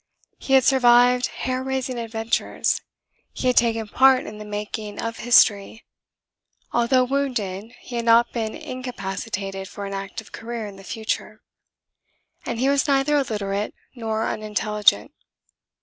He had survived hair raising adventures; he had taken part in the making of history; although wounded he had not been incapacitated for an active career in the future; and he was neither illiterate nor unintelligent.